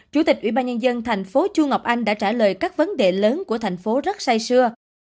chủ tịch ủy ban nhân dân thành phố chu ngọc anh đã trả lời các vấn đề lớn của thành phố rất xay xưa